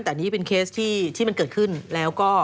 แต่อันนี้เป็นเคสที่มันเกิดขึ้นแล้วก็